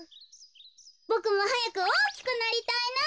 ボクもはやくおおきくなりたいな。